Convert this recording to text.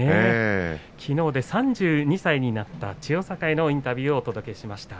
きのうで３２歳になった千代栄のインタビューをお届けしました。